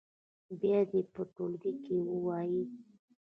بیا دې یې په ټولګي کې ووايي.